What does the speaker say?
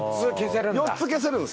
４つ消せるんだ